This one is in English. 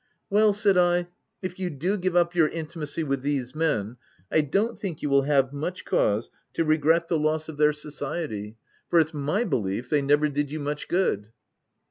U Well/' said I, " if you do give up your intimacy with these men, I don't think you will have much cause to regret the loss of their c 2 28 THE TENANT society ; for it's my belief they never did you much good."